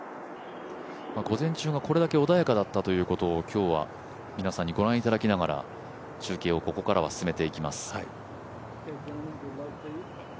午前中がこれだけ穏やかだったということを今日は皆さんにご覧いただきながら中継は進めていきます。